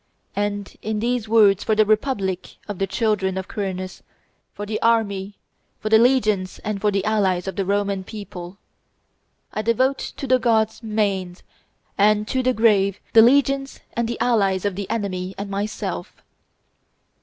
And, in these words for the republic of the children of Quirinus, for the army, for the legions, and for the allies of the Roman people, I devote to the gods Manes and to the grave the legions and the allies of the enemy and myself."